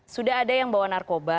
sudah ada yang bawa narkoba